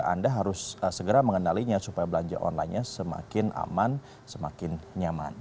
kita harus segera mengendalinya supaya belanja online semakin aman semakin nyaman